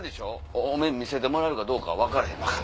お面見せてもらえるかは分からへんでしょ？